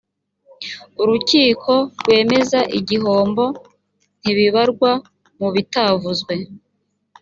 urukiko rwemeza igihombo ntibibarwa mu bitavuzwe